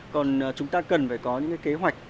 còn chúng ta cần phải có những kế hoạch